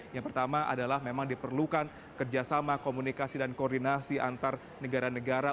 yang pertama adalah memang diperlukan kerjasama komunikasi dan koordinasi antar negara negara